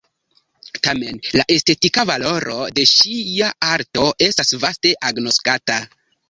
Tamen la estetika valoro de ŝia arto estas vaste agnoskata.